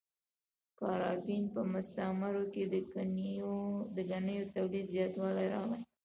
د کارابین په مستعمرو کې د ګنیو تولید زیاتوالی راغی.